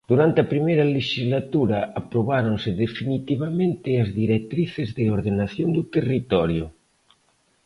Durante a primeira lexislatura aprobáronse definitivamente as Directrices de Ordenación do Territorio.